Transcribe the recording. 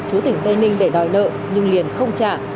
chú tỉnh tây ninh để đòi nợ nhưng liền không trả